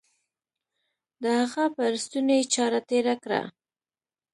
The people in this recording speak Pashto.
د هغه پر ستوني يې چاړه تېره کړه.